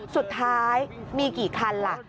สุดท้ายมีกี่คันล่ะ